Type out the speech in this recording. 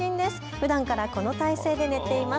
ふだんからこの体勢で寝ています。